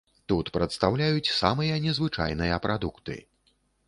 Тут прадстаўляюць самыя незвычайныя прадукты.